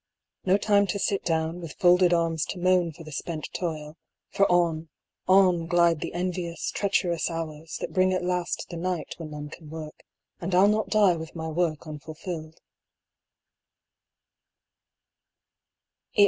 No time to sit down with folded arms to moan for the spent toil, for on, on, glide the envious treacherous hours that bring at last the night when none can work; and I'll not die with my work unfulfilled.